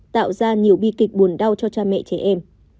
tạo ra nhiều bi kịch buồn đau cho cha mẹ trẻ em